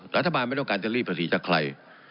รัฐบาลไม่ต้องการจะรีดภาษีจากใคร